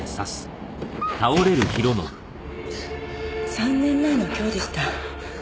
３年前の今日でした。